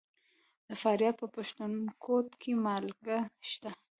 د فاریاب په پښتون کوټ کې مالګه شته.